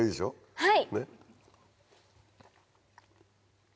はい。